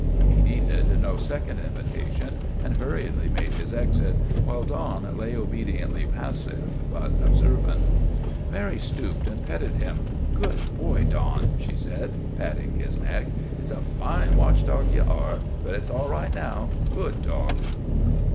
He needed no second invitation and hurriedly made his exit, while Don lay obediently passive but observant. Mary stooped and petted him. 1 Good boy, Don," she said, patting his neck. " It 's a fine watch dog ye are. But it 's all right now. Good dog."